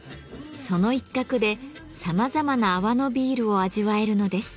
その一角でさまざまな泡のビールを味わえるのです。